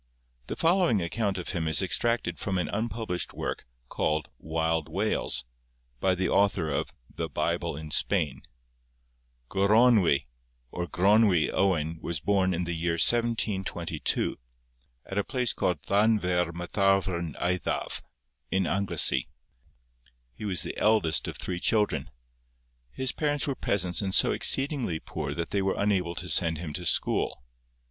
The following account of him is extracted from an unpublished work, called 'Wild Wales,' by the author of 'The Bible in Spain':— 'Goronwy, or Gronwy, Owen was born in the year 1722, at a place called Llanfair Mathafrn Eithaf, in Anglesea. He was the eldest of three children. His parents were peasants and so exceedingly poor that they were unable to send him to school.